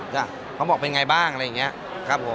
เขาบอกเป็นไงบ้างอะไรอย่างนี้ครับผม